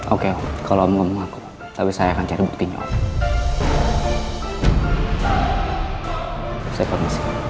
oke om kalau om mau ngaku terus saya akan cari buktinya om